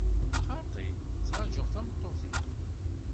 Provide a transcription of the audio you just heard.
Xaṭi, ttrajuɣ tameṭṭut-iw.